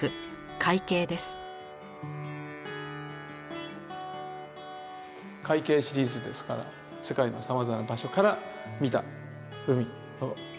「海景」シリーズですから世界のさまざまな場所から見た海の風景。